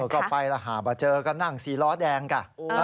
ก็ไปแล้วหามาเจอก็นั่งสี่ล้อแดงจ้ะ